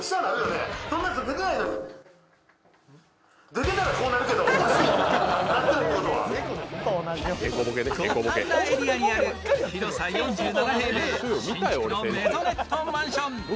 五反田エリアにある広さ４７平米、新築のメゾネットマンション。